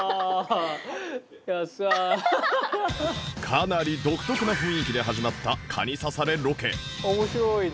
かなり独特な雰囲気で始まったカニササレロケ